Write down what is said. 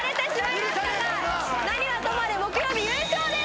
何はともあれ木曜日優勝です！